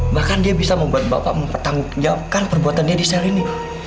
bahkan dia bisa membuat bapak mempertanggungjawabkan perbuatannya di sel ini